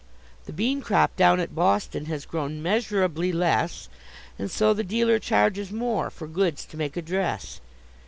The bean crop down at Boston has grown measurably less, And so the dealer charges more for goods to make a dress.